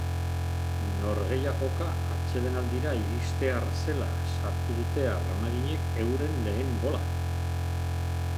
Norgehiagoka atsedenaldira iristear zela sartu dute armaginek euren lehen gola.